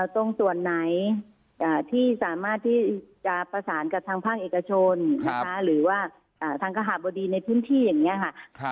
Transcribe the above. ตรงส่วนไหนที่สามารถที่จะประสานกับทางภาคเอกชนนะคะหรือว่าทางกระหบดีในพื้นที่อย่างนี้ค่ะ